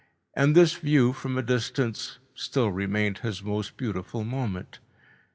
And this view from a distance still remained his most beautiful moment.